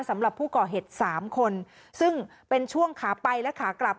สำหรับผู้ก่อเหตุสามคนซึ่งเป็นช่วงขาไปและขากลับ